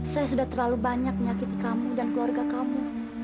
saya sudah terlalu banyak menyakiti kamu dan keluarga kamu